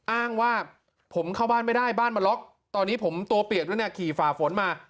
อ้างว่าผมเข้าบ้านไม่ได้บ้านมาล็อกตอนนี้ผมตัวเปียกแล้วเนี่ยขี่ฝ่าฝนมา